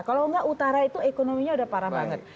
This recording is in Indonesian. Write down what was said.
kalau tidak utara itu ekonominya sudah parah banget